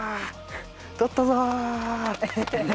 とったぞ。